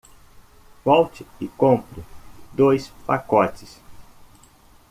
Volte e compre dois pacotes.